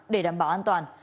để đảm bảo an toàn